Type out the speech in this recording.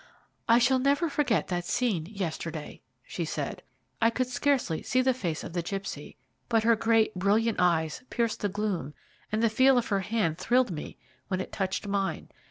"I shall never forget that scene yesterday;" she said. "I could scarcely see the face of the gipsy, but her great, brilliant eyes pierced the gloom, and the feel of her hand thrilled me when it touched mine.